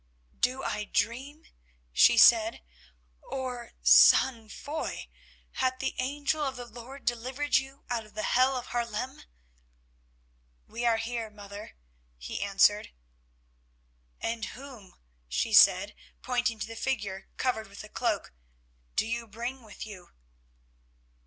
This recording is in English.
"Do I dream?" she said, "or, son Foy, hath the Angel of the Lord delivered you out of the hell of Haarlem?" "We are here, mother," he answered. "And whom," she said, pointing to the figure covered with a cloak, "do you bring with you?"